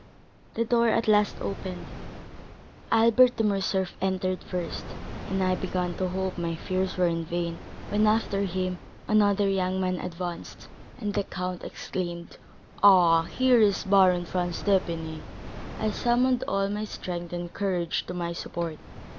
The door at last opened; Albert de Morcerf entered first, and I began to hope my fears were vain, when, after him, another young man advanced, and the count exclaimed: 'Ah, here is the Baron Franz d'Épinay!' I summoned all my strength and courage to my support.